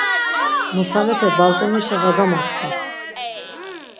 Nusalepe balǩonişa var gamaxtes.